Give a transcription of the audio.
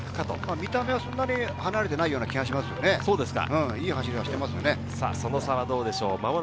見た目は、そんなに離れていない気がしますけどね。